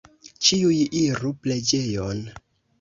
Ĉiuj iru preĝejon!